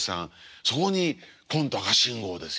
そこにコント赤信号ですよ。